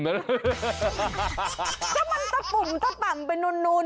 ถ้ามาตะปุ่มตะต่ำนู่น